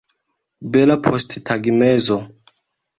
Bela posttagmezo.